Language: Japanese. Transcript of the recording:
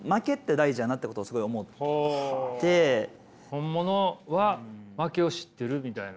本物は負けを知ってるみたいな？